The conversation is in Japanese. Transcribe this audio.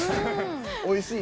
おいしい？